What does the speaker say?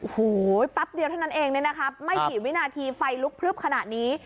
โอ้โหแป๊บเดียวเท่านั้นเองเนี่ยนะครับไม่กี่วินาทีไฟลุกพลึบขนาดนี้